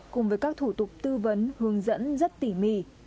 cùng với các thủ tục tư vấn hướng dẫn rất tỉ mỉ